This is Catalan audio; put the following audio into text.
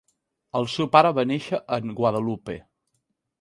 El seu pare va nàixer en Guadeloupe.